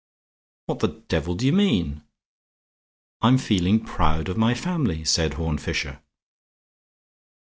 "What the devil do you mean?" "I am feeling proud of my family," said Horne Fisher.